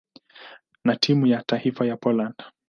na timu ya taifa ya Poland.